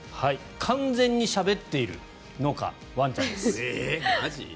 完全にしゃべっているのかワンちゃんです。